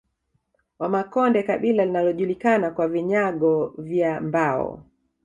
Wamakonde kabila linalojulikana kwa vinyago vya mbao